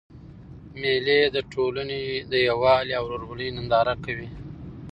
مېلې د ټولني د یووالي او ورورولۍ ننداره کوي.